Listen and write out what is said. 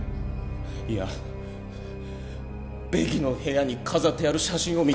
いやベキの部屋に飾ってある写真を見た